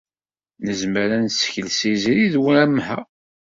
Nezmer ad nessekles izri d wamha.